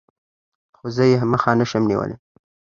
خو زه يې مخه نشم نيوى.